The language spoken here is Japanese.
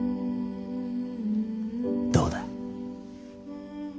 どうだ。